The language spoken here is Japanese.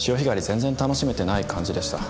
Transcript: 全然楽しめてない感じでした。